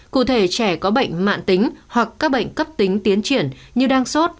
cụ thể trẻ có bệnh mạng tính hoặc các bệnh cấp tính tiến triển như đang sốt